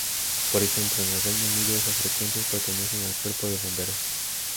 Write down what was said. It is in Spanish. Por ejemplo, en el Reino Unido, esas frecuencias pertenecen al cuerpo de bomberos.